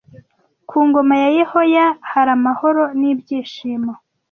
Ku ngoma ya Yehoya haramahoro ni byishimo